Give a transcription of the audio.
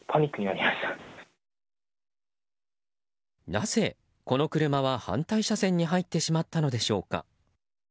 なぜ、この車は反対車線に入ってしまったのでしょうか。